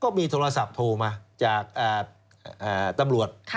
มีโทรศัพท์โทรมาจากตำรวจ